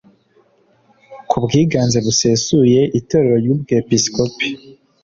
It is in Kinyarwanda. k ubwiganze busesuye itorero ry ubwepiskopi